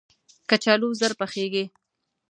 کچالو ژر پخیږي